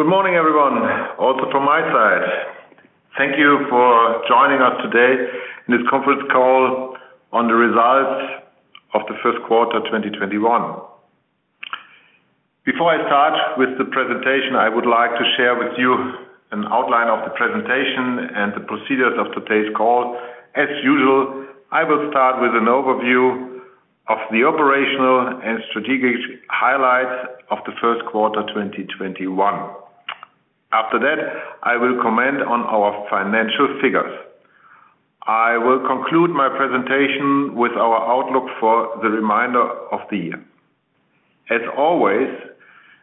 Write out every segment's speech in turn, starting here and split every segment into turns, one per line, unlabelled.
Good morning everyone, also from my side. Thank you for joining us today in this conference call on the results of the first quarter 2021. Before I start with the presentation, I would like to share with you an outline of the presentation and the procedures of today's call. As usual, I will start with an overview of the operational and strategic highlights of the first quarter 2021. After that, I will comment on our financial figures. I will conclude my presentation with our outlook for the remainder of the year. As always,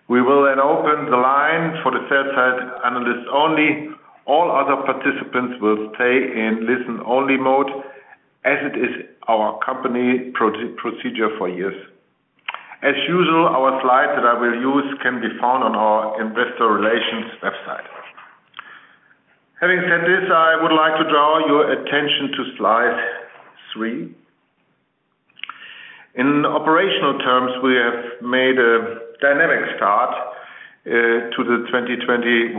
we will then open the line for the sell-side analysts only. All other participants will stay in listen-only mode, as it is our company procedure for years. As usual, our slides that I will use can be found on our investor relations website. Having said this, I would like to draw your attention to slide three. In operational terms, we have made a dynamic start to the 2021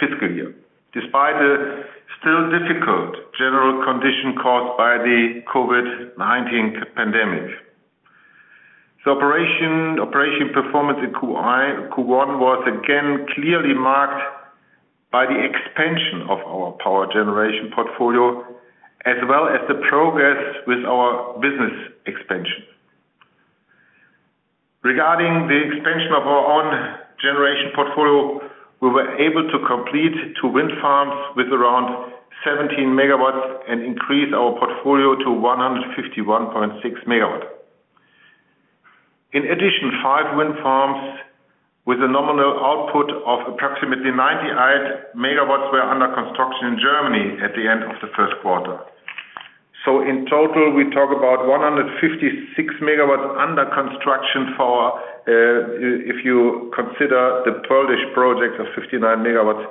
fiscal year, despite the still difficult general condition caused by the COVID-19 pandemic. Operational performance in Q1 was again clearly marked by the expansion of our power generation portfolio, as well as the progress with our business expansion. Regarding the expansion of our own generation portfolio, we were able to complete two wind farms with around 17 MW and increase our portfolio to 151.6 megawatts. In addition, five wind farms with a nominal output of approximately 98 MW were under construction in Germany at the end of the first quarter. In total, we talk about 156 MW under construction for, if you consider the Polish project of 59 MW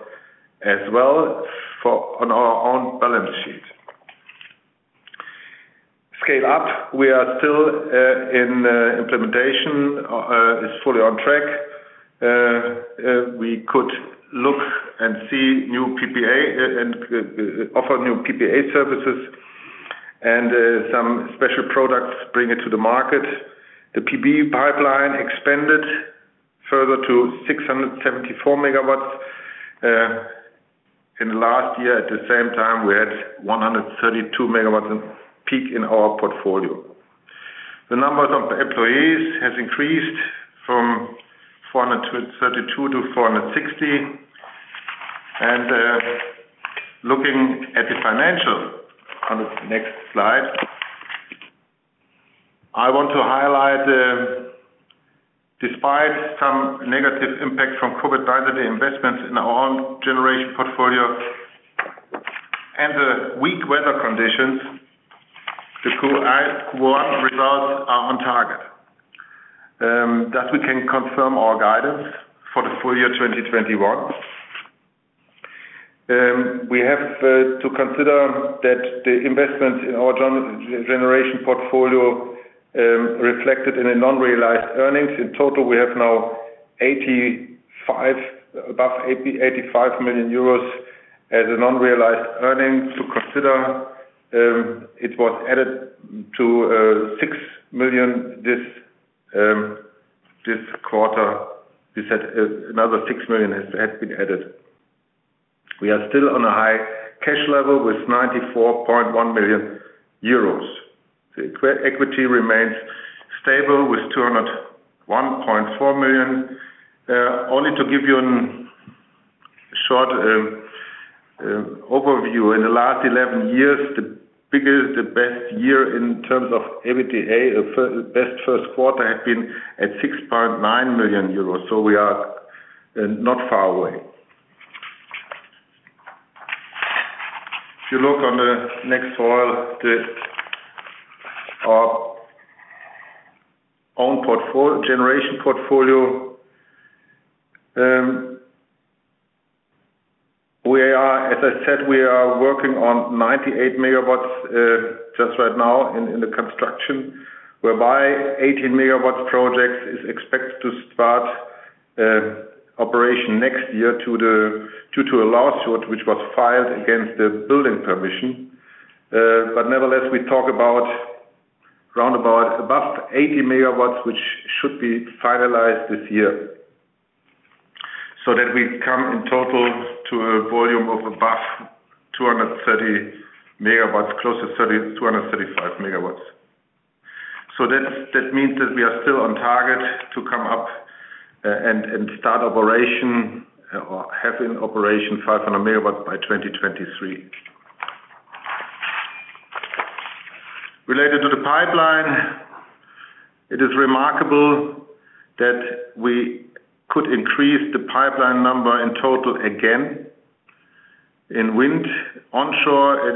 as well, on our own balance sheet. Scale up, we are still in implementation, is fully on track. We could look and see new power purchase agreement and offer new PPA services and some special products bring it to the market. The PV pipeline expanded further to 674 MW. In the last year, at the same time, we had 132 MW peak in our portfolio. The numbers of employees has increased from 432 to 460. Looking at the financial on the next slide, I want to highlight, despite some negative impact from COVID-19 investments in our own generation portfolio and the weak weather conditions, the Q1 results are on target. Thus we can confirm our guidance for the full year 2021. We have to consider that the investment in our generation portfolio, reflected in a non-realized earnings. In total, we have now above 85 million euros as a non-realized earnings to consider. It was added to 6 million this quarter. We said another 6 million has been added. We are still on a high cash level with 94.1 million euros. The equity remains stable with 201.4 million. Only to give you a short overview, in the last 11 years, the biggest, the best year in terms of EBITDA, the best first quarter had been at 6.9 million euros. We are not far away. If you look on the next slide, our own generation portfolio. As I said, we are working on 98 MW, just right now in the construction, whereby 18 MW project is expected to start operation next year due to a lawsuit which was filed against the building permission. Nevertheless, we talk about roundabout above 80 MW, which should be finalized this year. That we come in total to a volume of above 230 megawatts, close to 235 MW. That means that we are still on target to come up and start operation or have in operation 500 MW by 2023. Related to the pipeline, it is remarkable that we could increase the pipeline number in total again. In wind onshore,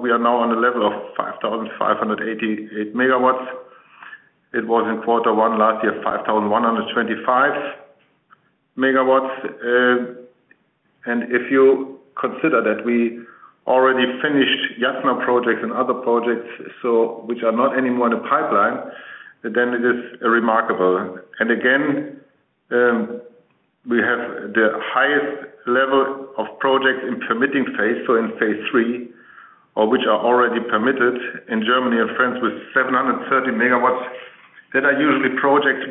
we are now on the level of 5,588 MW. It was in Q1 last year 5,125 MW. If you consider that we already finished Jasna projects and other projects, which are not anymore in the pipeline, then it is remarkable. Again, we have the highest level of projects in permitting phase, so in phase III, or which are already permitted in Germany and France with 730 MW, that are usually projects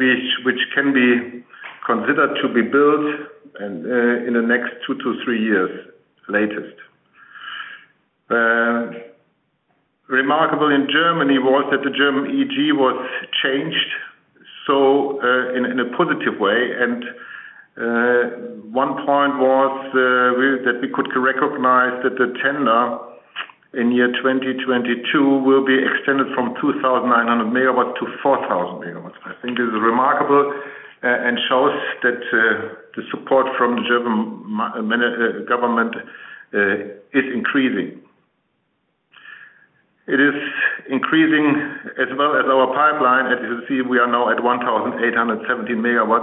which can be considered to be built in the next two to three years, latest. Remarkable in Germany was that the German EEG was changed in a positive way. One point was that we could recognize that the tender in year 2022 will be extended from 2,900 MW-4,000 MW. I think this is remarkable and shows that the support from the German government is increasing. It is increasing as well as our pipeline. As you can see, we are now at 1,870 MW.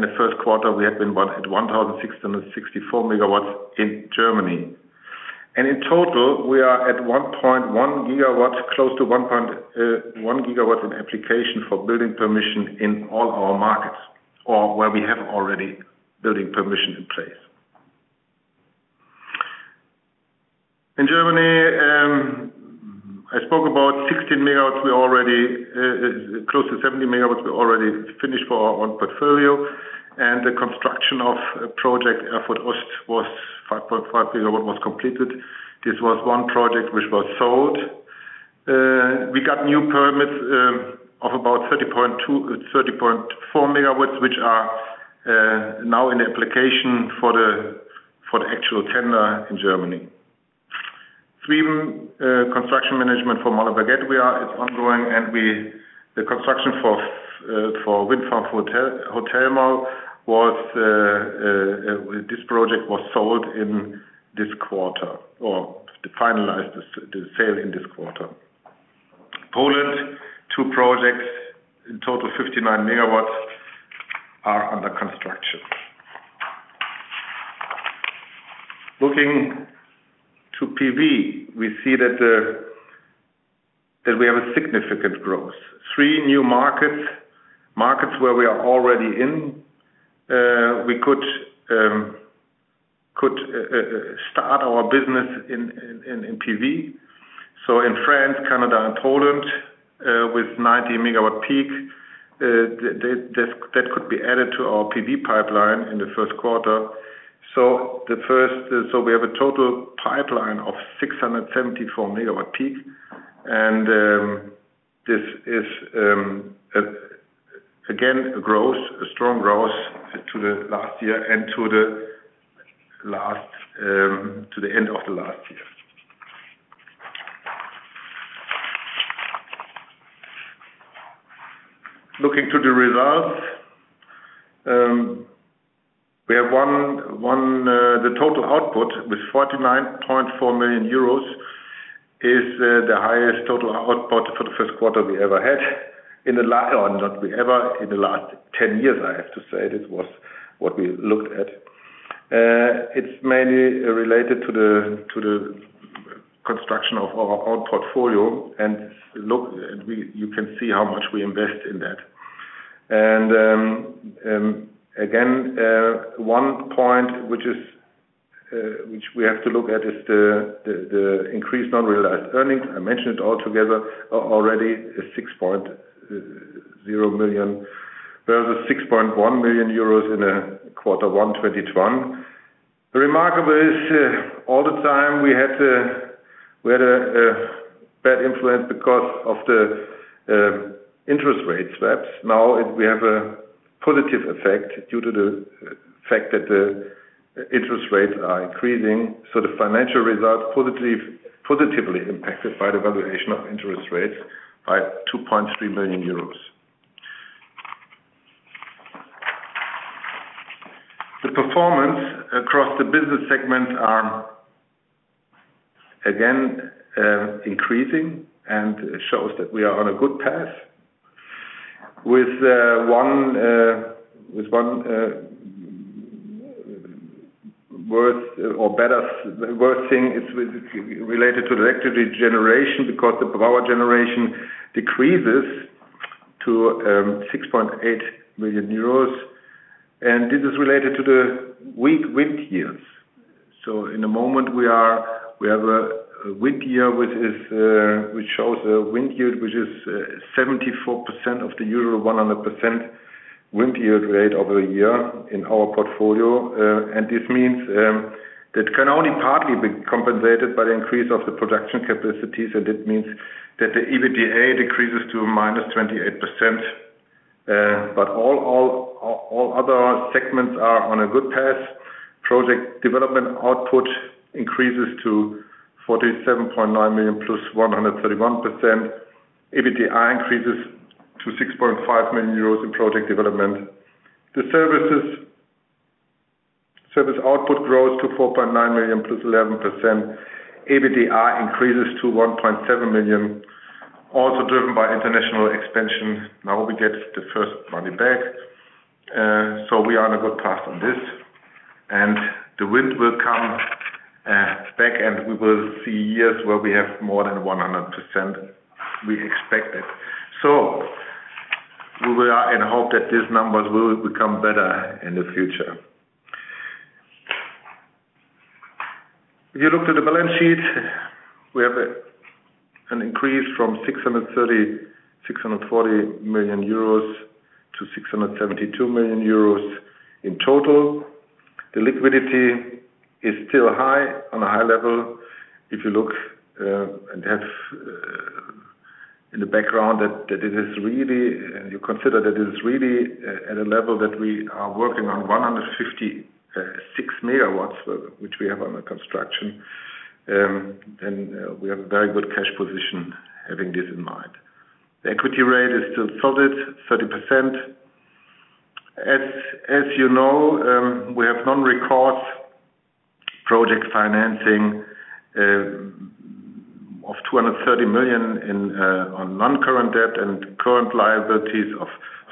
In the first quarter, we had been at 1,664 MW in Germany. In total, we are at 1.1 GW, close to 1.1 GW in application for building permission in all our markets or where we have already building permission in place. In Germany, I spoke about close to 70 MW we already finished for our own portfolio and the construction of project Erfurt Ost was 5.5 MW was completed. This was one project which was sold. We got new permits of about 30.4 MW, which are now in the application for the actual tender in Germany. Three construction management for Malberg-Geyern is ongoing and the construction for Wind Farm Chodzież, this project was sold in this quarter, or finalized the sale in this quarter. Poland, two projects, in total 59 MW are under construction. Looking to photovoltaic, we see that we have a significant growth. Three new markets where we are already in, we could start our business in PV. In France, Canada and Poland, with 90 MW peak, that could be added to our PV pipeline in the first quarter. We have a total pipeline of 674 MW peak, and this is again a strong growth to the last year and to the end of the last year. Looking to the results, the total output with 49.4 million euros is the highest total output for the first quarter we ever had in the last 10 years, I have to say. This was what we looked at. It's mainly related to the construction of our own portfolio, and you can see how much we invest in that. Again, one point which we have to look at is the increased non-realized earnings. I mentioned it all together already, is 6.0 million versus 6.1 million euros in Q1 2021. The remarkable is all the time we had a bad influence because of the interest rate swaps. Now we have a positive effect due to the fact that the interest rates are increasing, so the financial results positively impacted by the valuation of interest rates by 2.3 million euros. The performance across the business segments are again increasing and shows that we are on a good path with one worse or better. The worse thing is related to the electricity generation because the power generation decreases to 6.48 million euros, This is related to the weak wind years. In the moment we have a wind year which shows a wind yield which is 74% of the usual 100% wind yield rate over a year in our portfolio. This means that can only partly be compensated by the increase of the production capacities, it means that the EBITDA decreases to -28%, All other segments are on a good path. Project development output increases to 47.9 million +131%. EBITDA increases to 6.5 million euros in project development. The service output grows to 4.9 million +11%. EBITDA increases to 1.7 million. Also driven by international expansion. We get the first money back. We are on a good path on this. The wind will come back, and we will see years where we have more than 100%. We expect it. We are in hope that these numbers will become better in the future. If you look to the balance sheet, we have an increase from 630 million, 640 million euros to 672 million euros in total. The liquidity is still high, on a high level. If you look in the background, and you consider that it is really at a level that we are working on 156 MW, which we have under construction, then we have a very good cash position having this in mind. The equity rate is still solid, 30%. As you know, we have non-recourse project financing of 230 million on non-current debt and current liabilities of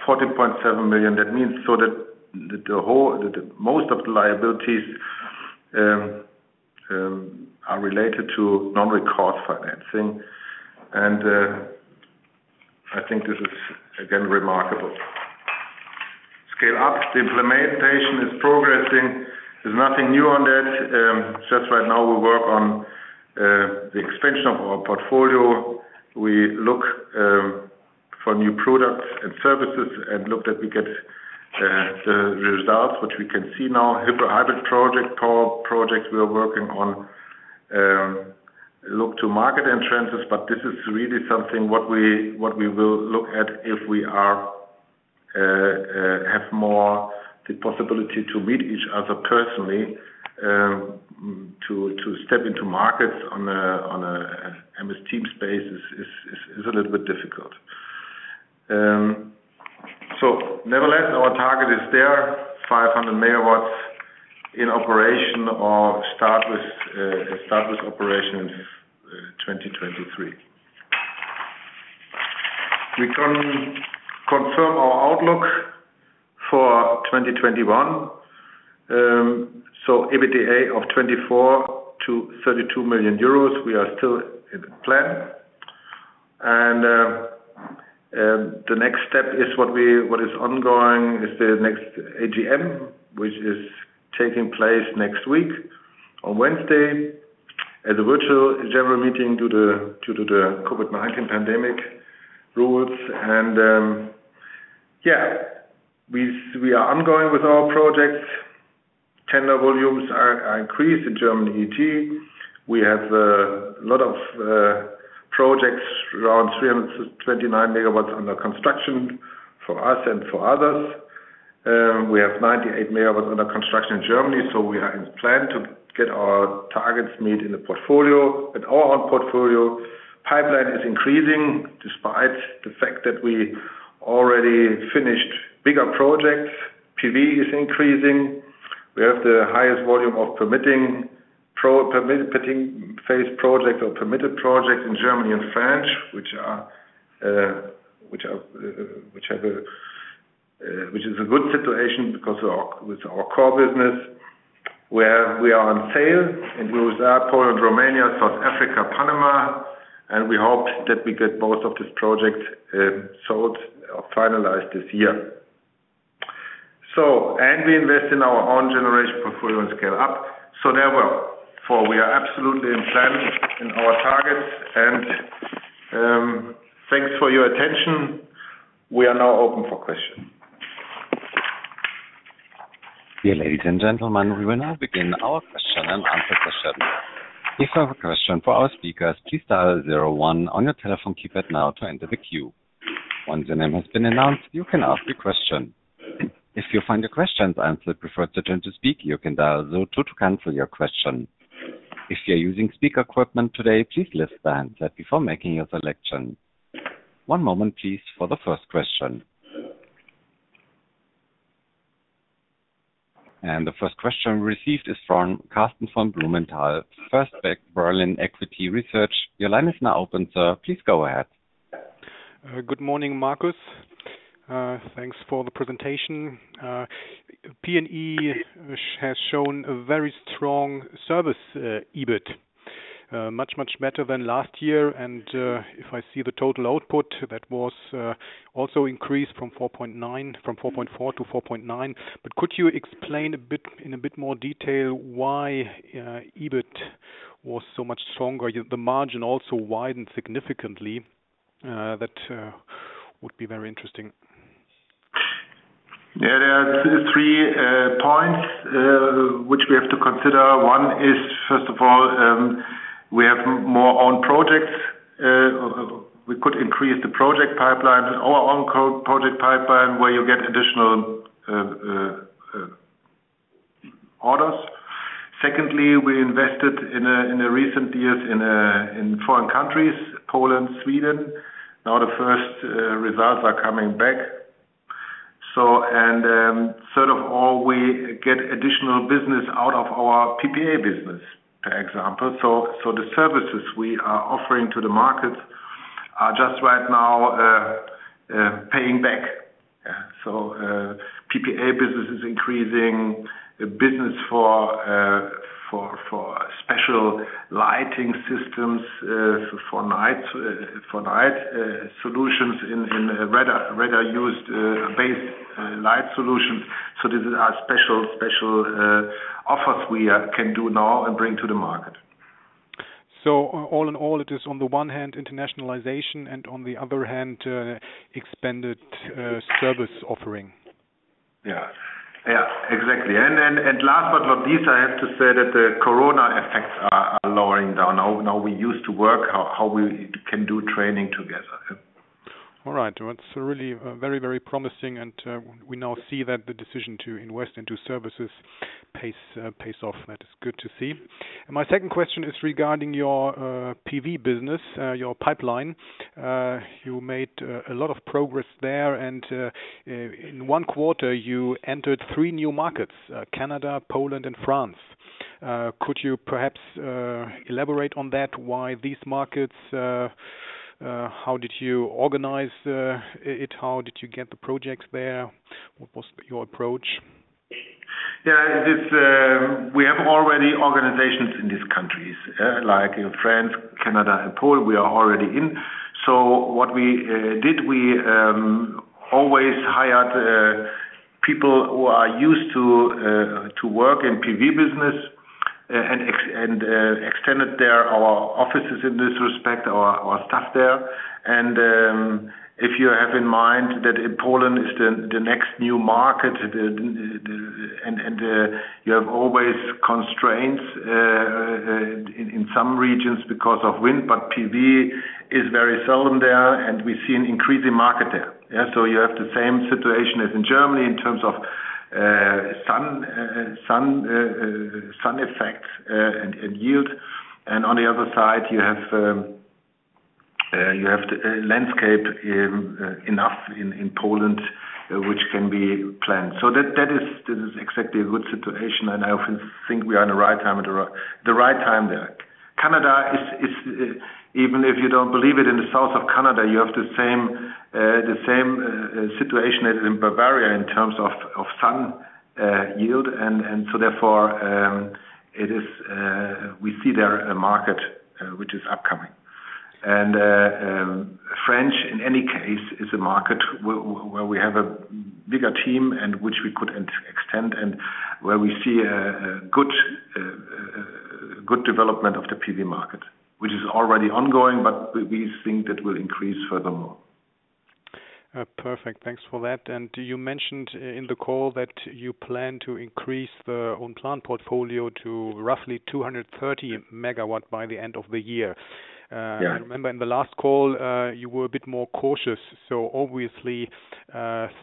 40.7 million. That means that most of the liabilities are related to non-recourse financing. I think this is again remarkable. Scale up. The implementation is progressing. There's nothing new on that. Just right now we work on the expansion of our portfolio. We look for new products and services and look that we get the results, which we can see now, hybrid project, power projects we are working on, look to market entrances. This is really something what we will look at if we have more the possibility to meet each other personally. To step into markets on an MS Teams basis is a little bit difficult. Nevertheless, our target is there, 500 MW in operation or start with operations 2023. We can confirm our outlook for 2021. EBITDA of 24 million-32 million euros, we are still in plan. The next step is what is ongoing, is the next Annual General Meeting, which is taking place next week on Wednesday as a virtual general meeting due to the COVID-19 pandemic rules. We are ongoing with our projects. Tender volumes are increased in Germany, e.g. We have a lot of projects, around 329 MW under construction for us and for others. We have 98 MW under construction in Germany. We are in plan to get our targets met in the portfolio. Our own portfolio pipeline is increasing despite the fact that we already finished bigger projects. PV is increasing. We have the highest volume of permitting phase projects or permitted projects in Germany and France, which is a good situation because with our core business, where we are on sale in Russia, Poland, Romania, South Africa, Panama, and we hope that we get most of these projects sold or finalized this year. We invest in our own generation portfolio and scale up. Therefore, we are absolutely in plan in our targets and thanks for your attention. We are now open for questions.
Dear ladies and gentlemen, we will now begin our question and answer session. To ask a question for all speakers, please dial zero one on your telephone keypad now to enter the queue. Once your name has been announced, you can ask the question. If you find a question that's the preferred to enter to speak, you can dial zero two to cancel your question. If you are using speaker equipment today, please listen on before making your selection. The first question received is from Karsten von Blumenthal, First Berlin Equity Research. Your line is now open, sir. Please go ahead.
Good morning, Markus. Thanks for the presentation. PNE has shown a very strong service, EBIT. Much better than last year. If I see the total output, that was also increased from 4.4 million to 4.9 million, but could you explain in a bit more detail why EBIT was so much stronger? The margin also widened significantly. That would be very interesting.
Yeah, there are three points which we have to consider. One is, first of all, we have more own projects. We could increase the project pipeline or our own project pipeline where you get additional orders. Secondly, we invested in the recent years in foreign countries, Poland, Sweden. Now the first results are coming back. We get additional business out of our PPA business, for example. The services we are offering to the market are just right now paying back. PPA business is increasing business for special lighting systems, for night solutions in radar-based light solutions. These are special offers we can do now and bring to the market.
All in all, it is on the one hand internationalization and on the other hand expanded service offering.
Yeah, exactly. Last but not least, I have to say that the corona effects are lowering down, how we used to work, how we can do training together.
All right. That's really very promising and we now see that the decision to invest into services pays off. That is good to see. My second question is regarding your PV business, your pipeline. You made a lot of progress there, and in one quarter you entered three new markets, Canada, Poland, and France. Could you perhaps elaborate on that? Why these markets? How did you organize it? How did you get the projects there? What was your approach?
Yeah. We have already organizations in these countries, like in France, Canada, and Poland, we are already in. What we did, we always hired people who are used to work in PV business and extended our offices in this respect, our staff there. If you have in mind that Poland is the next new market, and you have always constraints in some regions because of wind, but PV is very seldom there, and we see an increasing market there. You have the same situation as in Germany in terms of sun effect and yield. On the other side, you have landscape enough in Poland which can be planned. That is exactly a good situation, and I often think we are in the right time there. Canada, even if you don't believe it, in the south of Canada, you have the same situation as in Bavaria in terms of sun yield. Therefore, we see there a market which is upcoming. French, in any case, is a market where we have a bigger team and which we could extend and where we see a good development of the PV market, which is already ongoing. We think that will increase furthermore.
Perfect. Thanks for that. You mentioned in the call that you plan to increase the own plant portfolio to roughly 230 MW by the end of the year.
Yeah.
I remember in the last call, you were a bit more cautious. Obviously,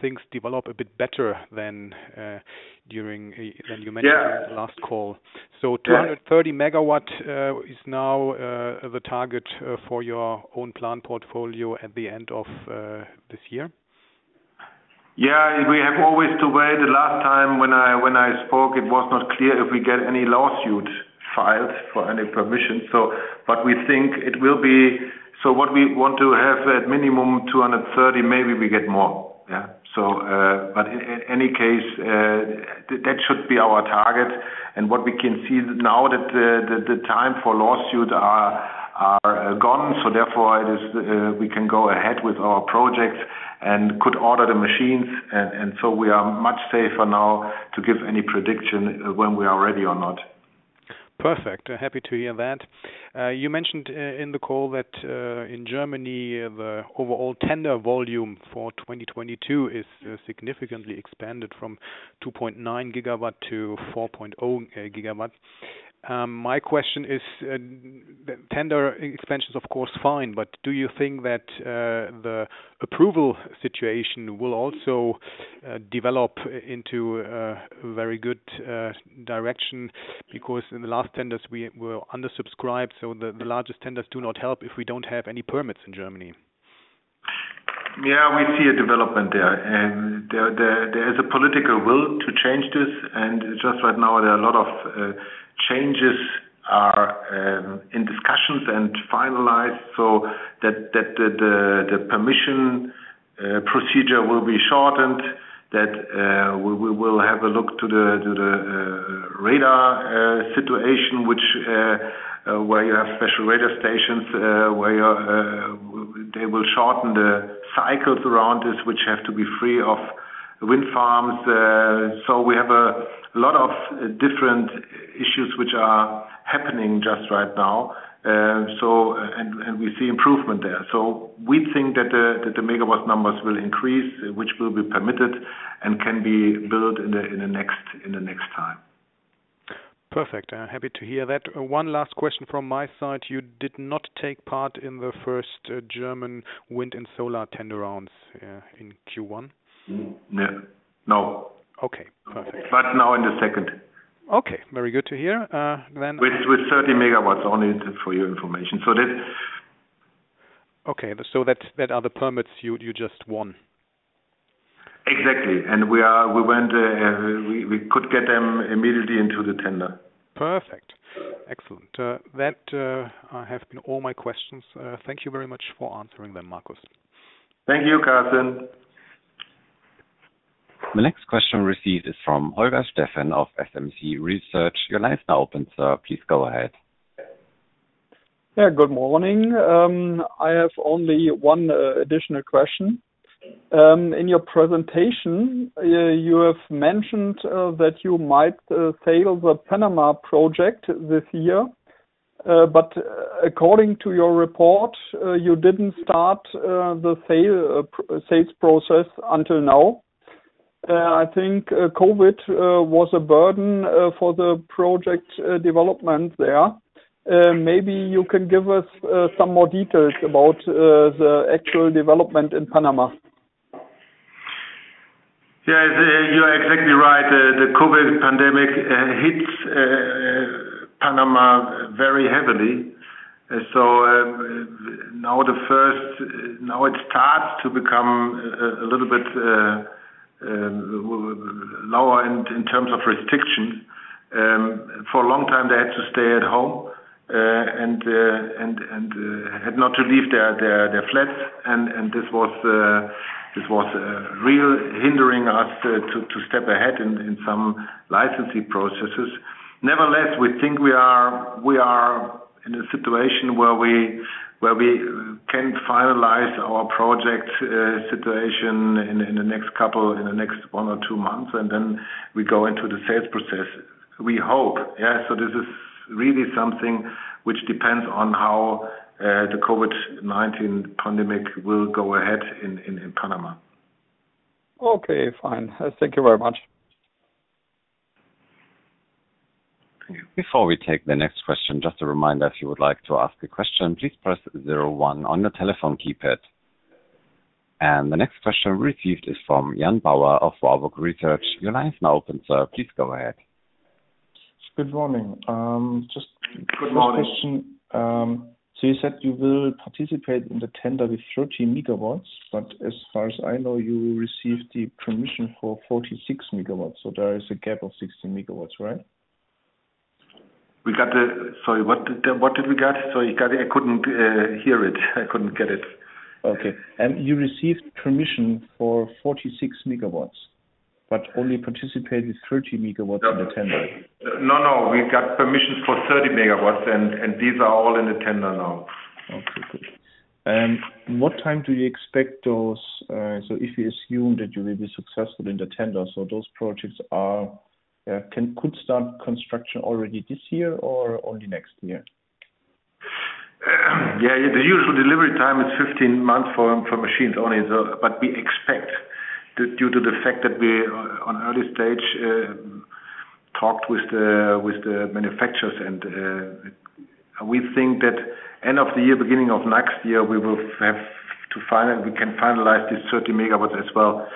things develop a bit better than you mentioned in the last call. 230 MW is now the target for your own plant portfolio at the end of this year?
Yeah, we have always to wait. The last time when I spoke, it was not clear if we get any lawsuit filed for any permission. What we want to have at minimum 230 MW, maybe we get more. In any case, that should be our target and what we can see now that the time for lawsuits are gone, therefore we can go ahead with our projects and could order the machines. We are much safer now to give any prediction when we are ready or not.
Perfect. Happy to hear that. You mentioned in the call that in Germany, the overall tender volume for 2022 is significantly expanded from 2.9 GW to 4.0 GW. My question is, tender expansion's of course fine, but do you think that the approval situation will also develop into a very good direction? In the last tenders we were undersubscribed. The largest tenders do not help if we don't have any permits in Germany.
Yeah, we see a development there, and there is a political will to change this, and just right now, there are a lot of changes are in discussions and finalized so that the permission procedure will be shortened, that we will have a look to the radar situation where you have special radar stations, where they will shorten the cycles around this, which have to be free of wind farms. We have a lot of different issues which are happening just right now. We see improvement there. We think that the megawatt numbers will increase, which will be permitted and can be built in the next time.
Perfect. Happy to hear that. One last question from my side. You did not take part in the first German wind and solar tender rounds in Q1?
No.
Okay. Perfect.
Now in the second.
Okay. Very good to hear.
With 30 MW on it, for your information.
Okay. That are the permits you just won?
Exactly. We could get them immediately into the tender.
Perfect. Excellent. That have been all my questions. Thank you very much for answering them, Markus.
Thank you, Karsten.
The next question received is from Holger Steffen of SMC Research. Your line is now open, sir. Please go ahead.
Good morning. I have only one additional question. In your presentation, you have mentioned that you might sell the Panama project this year. According to your report, you didn't start the sales process until now. I think COVID-19 was a burden for the project development there. Maybe you can give us some more details about the actual development in Panama.
Yes, you are exactly right. The COVID pandemic hits Panama very heavily. Now it starts to become a little bit lower in terms of restrictions. For a long time, they had to stay at home, and had not to leave their flats and this was real hindering us to step ahead in some licensing processes. Nevertheless, we think we are in a situation where we can finalize our project situation in the next one or two months, and then we go into the sales process. We hope, yeah. This is really something which depends on how the COVID-19 pandemic will go ahead in Panama.
Okay, fine. Thank you very much.
Before we take the next question, just a reminder, if you would like to ask a question, please press zero one on your telephone keypad. The next question received is from Jan Bauer of Warburg Research. Your line is now open, sir, please go ahead.
Good morning.
Good morning.
First question. You said you will participate in the tender with 30 MW, but as far as I know, you received the permission for 46 MW, so there is a gap of 16 MW, right?
Sorry, what did we get? Sorry, I couldn't hear it. I couldn't get it.
Okay. You received permission for 46 MW, but only participate with 30 MW in the tender.
No, we got permissions for 30 MW, and these are all in the tender now.
Okay, good. What time do you expect those, so if you assume that you will be successful in the tender, so those projects could start construction already this year or only next year?
Yeah, the usual delivery time is 15 months for machines only. We expect, due to the fact that we on early stage, talked with the manufacturers and we think that end of the year, beginning of next year, we can finalize these 30 MW as well.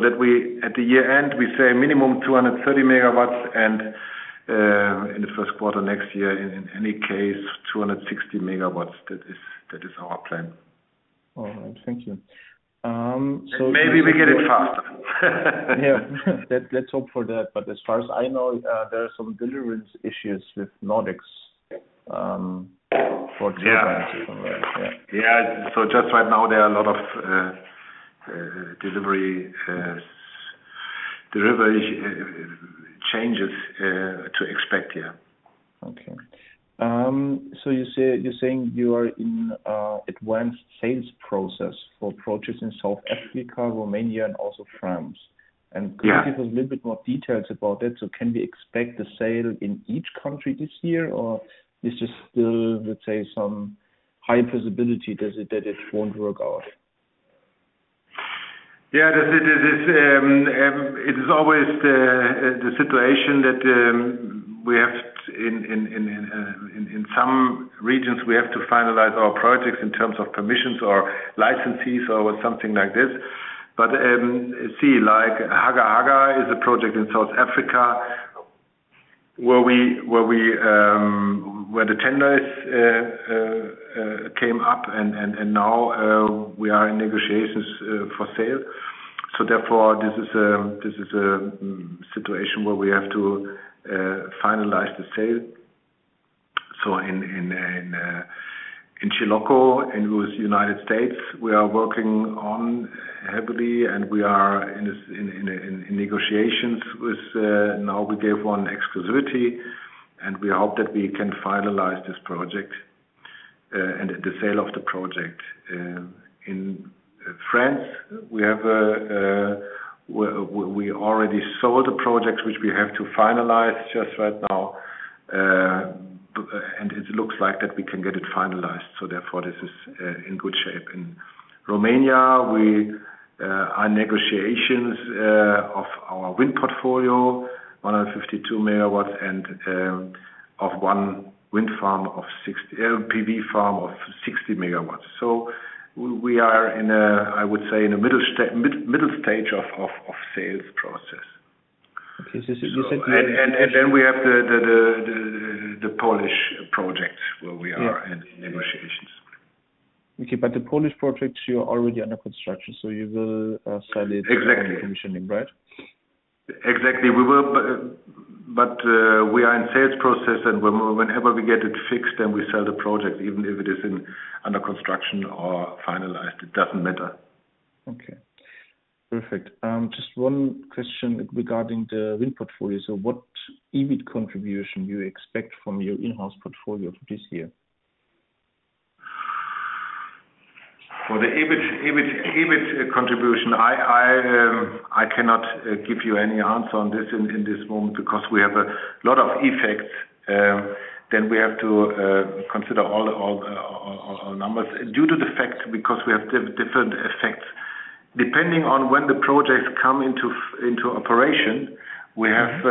That we, at the year-end, we say minimum 230 MW and, in the first quarter next year, in any case, 260 MW. That is our plan.
All right. Thank you.
Maybe we get it faster.
Yeah. Let's hope for that. As far as I know, there are some deliverance issues with Nordex for.
Yeah. Just right now, there are a lot of delivery changes to expect, yeah.
Okay. You're saying you are in advanced sales process for projects in South Africa, Romania, and also France.
Yeah.
Could you give us a little bit more details about that? Can we expect the sale in each country this year or this is still, let's say, some high visibility that it won't work out?
Yeah, it is always the situation that in some regions, we have to finalize our projects in terms of permissions or licenses or something like this. See, like Haga Haga is a project in South Africa where the tender came up and now we are in negotiations for sale. Therefore, this is a situation where we have to finalize the sale. In Chilocco, in the U.S., we are working on heavily and we are in negotiations with, now we gave one exclusivity, and we hope that we can finalize this project and the sale of the project. In France, we already sold the projects which we have to finalize just right now. It looks like that we can get it finalized, therefore this is in good shape. In Romania, our negotiations of our wind portfolio, 152 MW and of one PV farm of 60 MW, we are in a, I would say in the middle stage of sales process.
Okay.
We have the Polish project where we are in negotiations.
Okay. The Polish projects, you're already under construction, so you will sell it on the commissioning, right?
Exactly. We will, but we are in sales process, and whenever we get it fixed, then we sell the project, even if it is under construction or finalized. It doesn't matter.
Okay. Perfect. Just one question regarding the wind portfolio. What EBIT contribution you expect from your in-house portfolio for this year?
For the EBIT contribution, I cannot give you any answer on this in this moment because we have a lot of effects, then we have to consider all our numbers due to the fact because we have different effects. Depending on when the projects come into operation, we have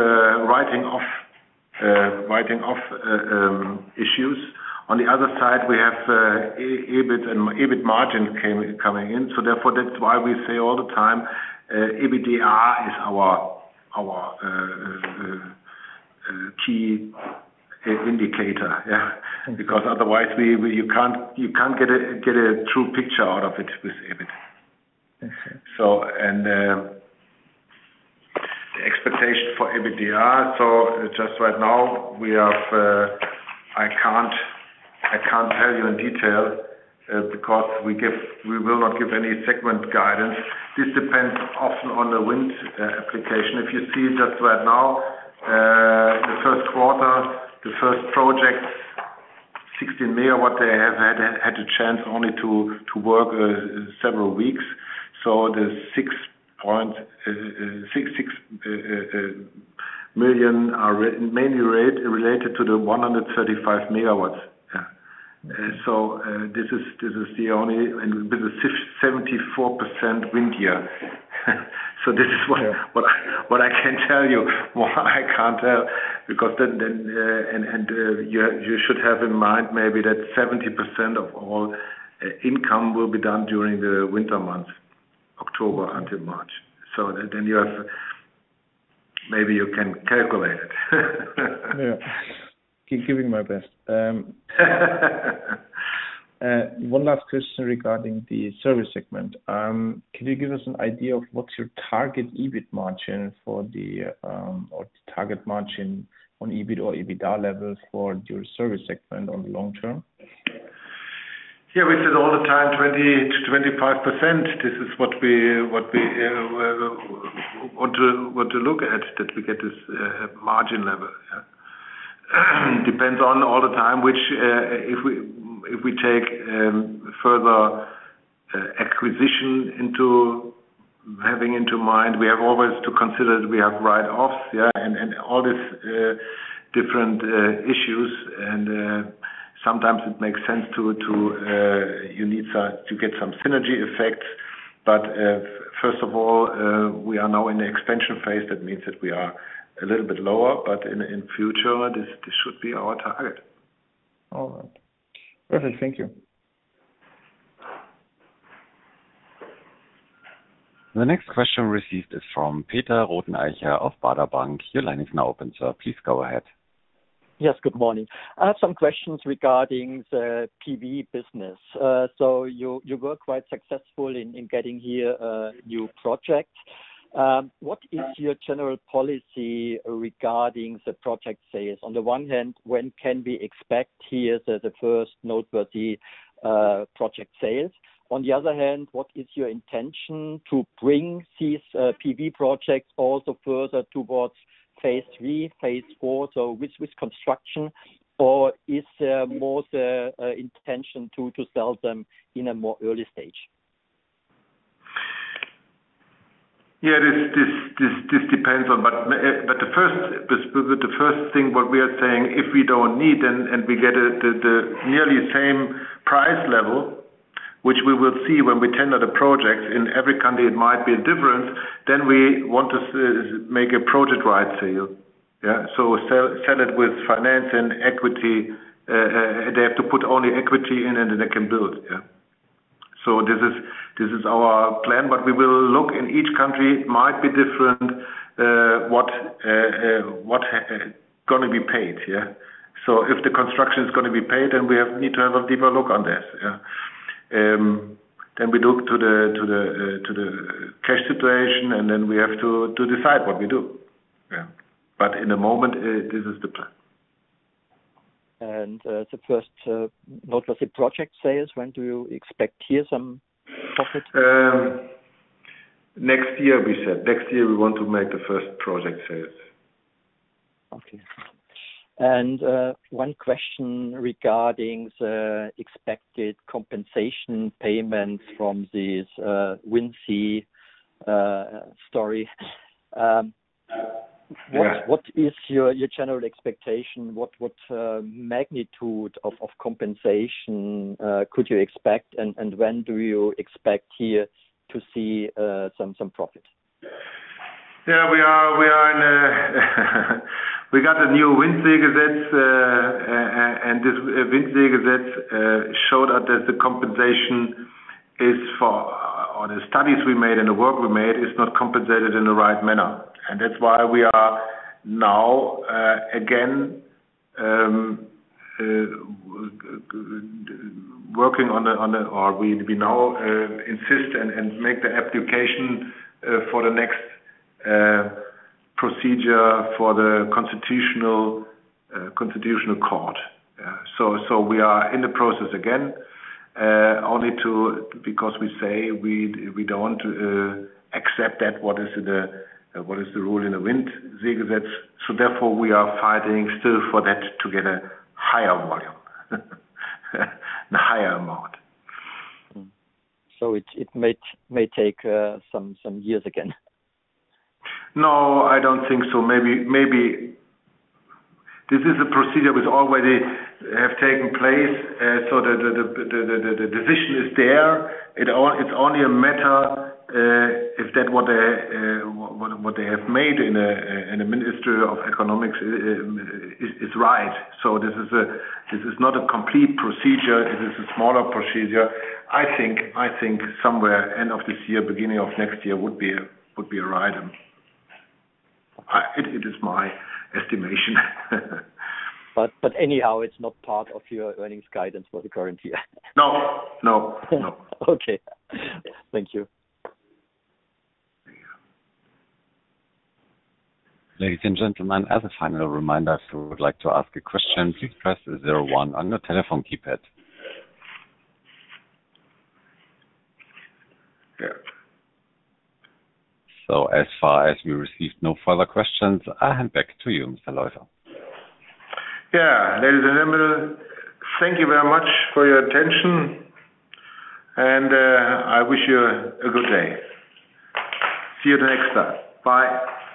writing off issues. On the other side, we have EBIT and EBIT margin coming in. Therefore, that's why we say all the time, EBITDA is our key indicator. Yeah. Otherwise, you can't get a true picture out of it with EBIT.
Okay.
The expectation for EBITDA, I can't tell you in detail because we will not give any segment guidance. This depends often on the wind application. The first quarter, the first project, 16 MW, they have had a chance only to work several weeks. The EUR 6 million are mainly related to the 135 MW. Yeah. This is the only, and bit of a 74% wind year. This is what I can tell you, what I can't tell. And you should have in mind maybe that 70% of all income will be done during the winter months, October until March. Maybe you can calculate it.
Yeah. Keep giving my best. One last question regarding the Services segment. Can you give us an idea of what's your target EBIT margin or target margin on EBIT or EBITDA levels for your Services segment on long term?
Yeah, we said all the time 20%-25%. This is what we want to look at, that we get this margin level. Yeah. It depends on all the time, which if we take further acquisition into having into mind, we have always to consider that we have write-offs. Yeah. All these different issues and sometimes it makes sense. You need to get some synergy effects. First of all, we are now in the expansion phase. That means that we are a little bit lower, but in future, this should be our target.
All right. Perfect. Thank you.
The next question received is from Peter Rothenaicher of Baader Bank. Your line is now open, sir. Please go ahead.
Yes, good morning. I have some questions regarding the PV business. You were quite successful in getting here a new project. What is your general policy regarding the project sales? On the one hand, when can we expect here the first noteworthy project sales? On the other hand, what is your intention to bring these PV projects also further towards phase III, phase IV, so with construction? Is there more intention to sell them in a more early stage?
The first thing, what we are saying, if we don't need and we get the nearly same price level, which we will see when we tender the projects, in every country it might be different, then we want to make a project right sale. Sell it with finance and equity. They have to put only equity in and then they can build. This is our plan, but we will look in each country. It might be different what going to be paid. If the construction is going to be paid, then we need to have a deeper look on this. We look to the cash situation, and then we have to decide what we do. In the moment, this is the plan.
The first noteworthy project sales, when do you expect here some profit?
Next year, we said. Next year, we want to make the first project sales.
Okay. One question regarding the expected compensation payments from this WindSeeG story.
Yeah.
What is your general expectation? What magnitude of compensation could you expect, and when do you expect here to see some profit?
Yeah, we got a new Windseegesetz. This Windseegesetz showed that the compensation, or the studies we made and the work we made, is not compensated in the right manner. That's why we are now again working on, or we now insist and make the application for the next procedure for the Constitutional Court. We are in the process again, only because we say we don't want to accept that, what is the rule in the Windseegesetz. Therefore, we are fighting still for that to get a higher volume. A higher amount.
It may take some years again.
No, I don't think so. This is a procedure which already have taken place, so the decision is there. It's only a matter if what they have made in the Ministry of Economics is right. This is not a complete procedure, this is a smaller procedure. I think somewhere end of this year, beginning of next year would be right. It is my estimation.
Anyhow, it's not part of your earnings guidance for the current year.
No.
Okay. Thank you.
Ladies and gentlemen, as a final reminder, if you would like to ask a question, please press zero one on your telephone keypad. As far as we received no further questions, I hand back to you, Mr. Lesser.
Ladies and gentlemen, thank you very much for your attention. I wish you a good day. See you the next time. Bye.